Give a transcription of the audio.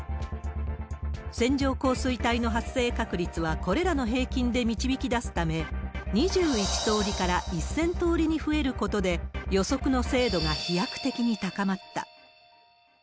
線状降水帯の発生確率はこれらの平均で導き出すため、２１通りから１０００通りに増えることで、予測の精度が飛躍的に高まった。